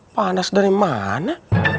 panas dari mana